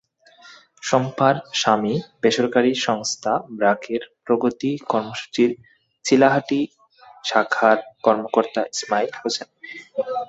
শম্পার স্বামী বেসরকারি সংস্থা ব্র্যাকের প্রগতি কর্মসূচির চিলাহাটি শাখার কর্মকর্তা ইসমাইল হোসেন।